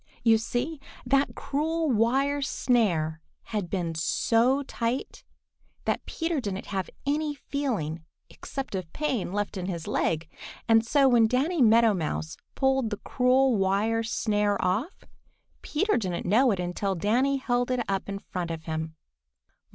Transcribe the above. You see, that cruel wire snare had been so tight that Peter didn't have any feeling except of pain left in his leg, and so when Danny Meadow Mouse pulled the cruel wire snare off, Peter didn't know it until Danny held it up in front of him.